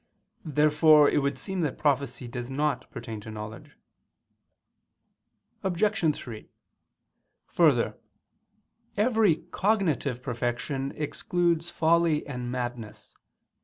Therefore it would seem that prophecy does not pertain to knowledge. Obj. 3: Further, every cognitive perfection excludes folly and madness.